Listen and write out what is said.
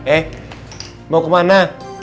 eh mau kemana